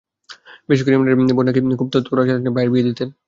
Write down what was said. বিশেষ করে ইমরানের বোন নাকি খুব তত্পরতা চালাচ্ছেন ভাইয়ের বিয়ে দিতে।